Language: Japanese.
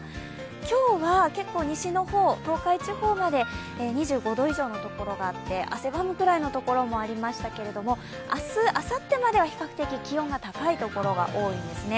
今日は、結構西の方東海地方まで２５度以上のところがあって、汗ばむくらいのところもありましたけれども、明日、あさってまでは比較的気温が高い所が多いんですね。